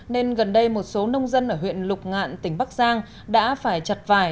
nên gần đây một số nông dân ở huyện lục ngạn tỉnh bắc giang đã phải chặt vải